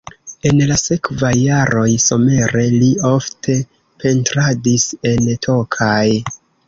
En la sekvaj jaroj somere li ofte pentradis en Tokaj.